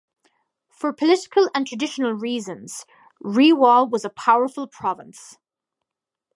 For political and traditional reasons, Rewa is a powerful province.